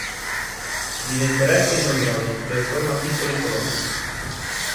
Vive in foreste e mangrovie, dove forma piccole colonie.